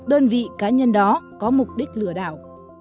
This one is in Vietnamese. đơn vị cá nhân đó có mục đích lừa đảo